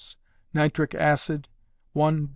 nitric acid, 1 dr.